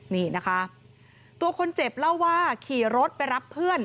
นี่นะคะตัวคนเจ็บเล่าว่าขี่รถไปรับเพื่อน